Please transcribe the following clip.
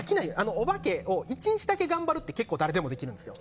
お化けを１日だけ頑張るって誰でもできるんですよ。